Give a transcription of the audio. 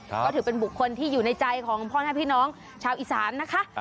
ก็ถือเป็นบุคคลที่อยู่ในใจของพ่อแม่พี่น้องชาวอีสานนะคะ